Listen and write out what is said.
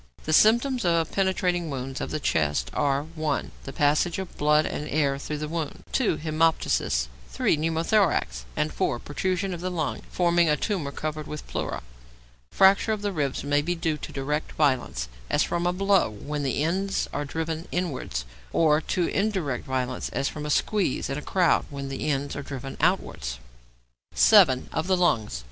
The symptoms of penetrating wounds of the chest are (1) The passage of blood and air through the wound; (2) hæmoptysis; (3) pneumothorax; and (4) protrusion of the lung forming a tumour covered with pleura. Fracture of the ribs may be due to direct violence, as from a blow, when the ends are driven inwards, or to indirect violence, as from a squeeze in a crowd, when the ends are driven outwards. 7. =Of the Lungs.